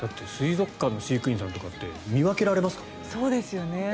水族館の飼育員さんって見分けられますからね。